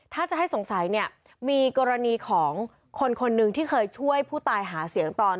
ถ้าจะให้สงสัยเนี่ยมีกรณีของคนคนหนึ่งที่เคยช่วยผู้ตายหาเสียงตอน